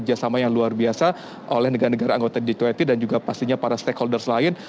kerjasama yang luar biasa oleh negara negara anggota g dua puluh dan juga pastinya para stakeholders lain